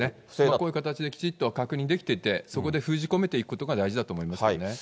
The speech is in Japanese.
こういう形できちっと確認できて、そこで封じ込めていくことが大事だと思いますよね。